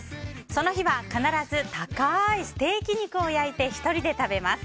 その日は必ず高いステーキ肉を焼いて１人で食べます。